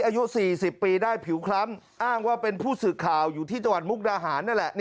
อายุ๔๐ปีได้ผิวคล้ำอ้างว่าเป็นผู้สื่อข่าวอยู่ที่จังหวัดมุกดาหารนั่นแหละ